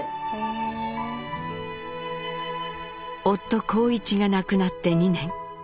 夫・幸一が亡くなって２年。